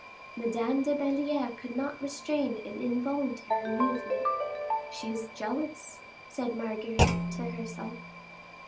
Madame de Belliere could not restrain an involuntary movement. "She is jealous," said Marguerite to herself.